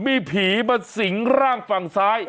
มีผีมาสิงร่างฝั่งซ้าย